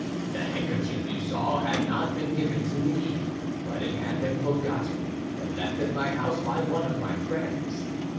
The handkerchief you saw had not been given to me, but it had been forgotten and left at my house by one of my friends.